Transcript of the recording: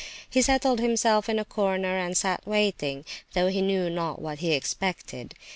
He settled himself in a corner and sat waiting, though he knew not what he expected.